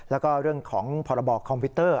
แล้วก็เรื่องของพรบคอมพิวเตอร์